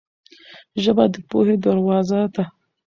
ژبه د پوهې دروازه ده.